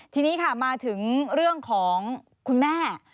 ทีนี้ค่ะมาถึงเรื่องของคุณแม่